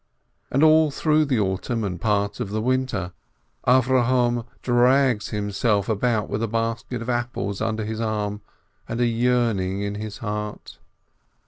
And all through the autumn and part of the winter, Avrohom drags himself about with a basket of apples on his arm and a yearning in his heart.